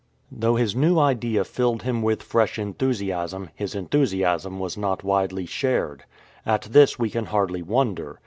Though his new idea filled him with fresh enthusiasm, his enthusiasm was not widely shared. At this we can hardly wonder.